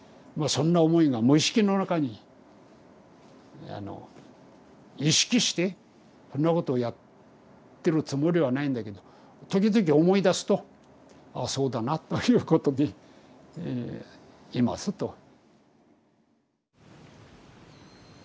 そんな思いが無意識の中に意識してそんなことをやってるつもりはないんだけど時々思い出すと「ああそうだな」ということでいますと。